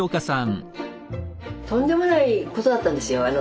とんでもないことだったんですよ。